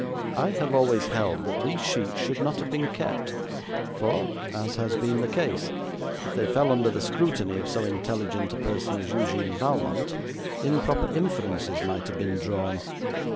I have always held that these sheets should not have been kept, for, as has been the case, if they fell under the scrutiny of so intelligent a person as Eugène Valmont, improper inferences might have been drawn.